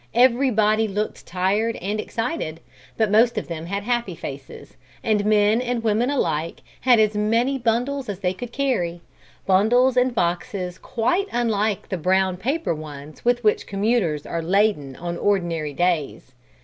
Everybody looked tired and excited, but most of them had happy faces, and men and women alike had as many bundles as they could carry; bundles and boxes quite unlike the brown paper ones with which commuters are laden on ordinary days.